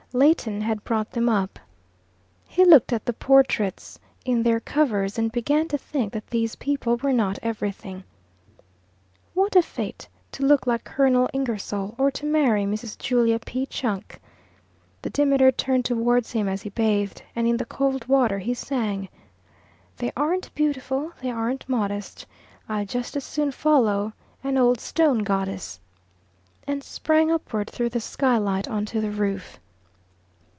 Leighton had brought them up. He looked at the portraits in their covers, and began to think that these people were not everything. What a fate, to look like Colonel Ingersoll, or to marry Mrs. Julia P. Chunk! The Demeter turned towards him as he bathed, and in the cold water he sang "They aren't beautiful, they aren't modest; I'd just as soon follow an old stone goddess," and sprang upward through the skylight on to the roof.